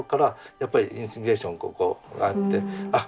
やっぱりインスピレーションここがあってあっ